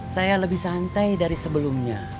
saya lebih santai dari sebelumnya